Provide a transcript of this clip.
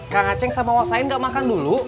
kang acing sama wak sain gak makan dulu